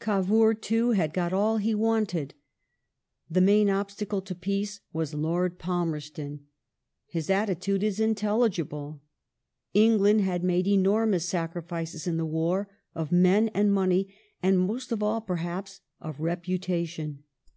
Cavour too had got all he wanted. The main obstacle to peace was Lord Palmers ton. His attitude is intelligible. England had made enormous sacrifices in the war ; of men and money, and — most of all perhaps — of reputation.